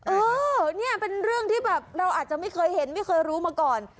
เออเนี่ยเป็นเรื่องที่แบบเราอาจจะไม่เคยเห็นไม่เคยรู้มาก่อน